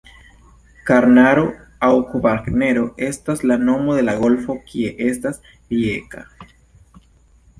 Karnaro aŭ Kvarnero estas la nomo de la golfo kie estas Rijeka.